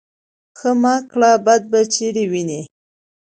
ـ ښه مه کړه بد به چېرې وينې.